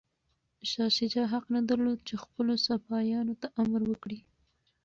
شاه شجاع حق نه درلود چي خپلو سپایانو ته امر وکړي.